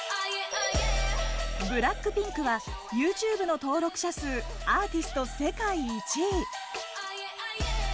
ＢＬＡＣＫＰＩＮＫはＹｏｕＴｕｂｅの登録者数アーティスト世界１位！